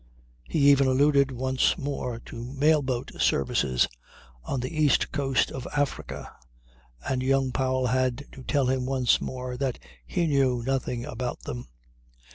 He even alluded once more to mail boat services on the East coast of Africa and young Powell had to tell him once more that he knew nothing about them.